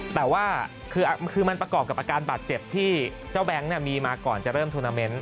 แต่ว่าคือมันประกอบกับอาการบาดเจ็บที่เจ้าแบงค์มีมาก่อนจะเริ่มทูนาเมนต์